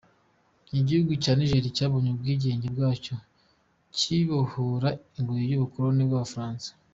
Igihugu cya Niger cyabonye ubwigenge bwacyo, kibohora ingoyi y’ubukoloni bw’Abafaransa.